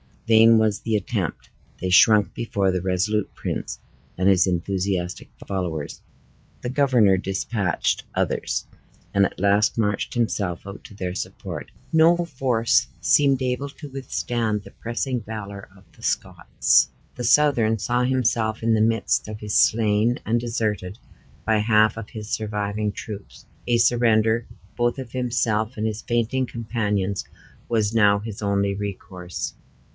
Vain was the attempt. They shrunk before the resolute prince and his enthusiastic followers. The governor dispatched others, and at last marched himself out to their support. No force seemed able to withstand the pressing valor of the Scots. The Southron saw himself in the midst of his slain, and deserted by half of his surviving troops. A surrender, both of himself and his fainting companions, was now his only recourse.